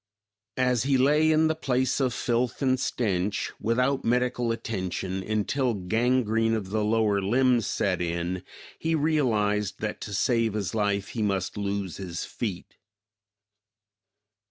As he lay in the place of filth and stench, without medical attention until gangrene of the lower limbs set in, he realized that to save his life he must lose his feet.